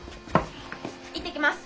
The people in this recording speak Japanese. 行ってきます。